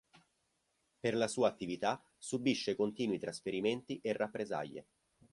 Per la sua attività subisce continui trasferimenti e rappresaglie.